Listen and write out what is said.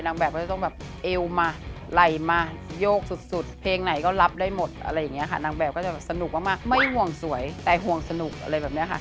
นางแบบก็จะต้องแบบเอวมาไหลมาโยกสุดเพลงไหนก็รับได้หมดอะไรอย่างนี้ค่ะนางแบบก็จะแบบสนุกมากไม่ห่วงสวยแต่ห่วงสนุกอะไรแบบนี้ค่ะ